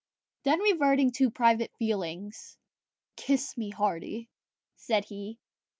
Then reverting to private feelings, "Kiss me, Hardy," said he.